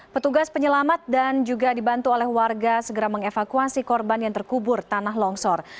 petugas penyelamat dan juga dibantu oleh warga segera mengevakuasi korban yang terkubur tanah longsor